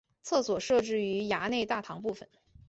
厕所设置于闸内大堂部分。